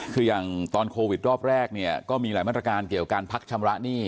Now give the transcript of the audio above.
คืออย่างตอนโควิดรอบแรกเนี่ยก็มีหลายมาตรการเกี่ยวการพักชำระหนี้